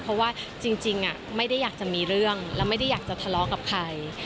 เพราะว่าจริงไม่ได้อยากจะมีเรื่องและไม่ได้อยากจะทะเลาะกับใคร